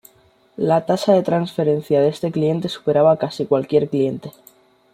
Las tasas de transferencia de este cliente superaban casi cualquier cliente.